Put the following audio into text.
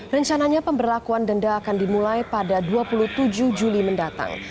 rencananya pemberlakuan denda akan dimulai pada dua puluh tujuh juli mendatang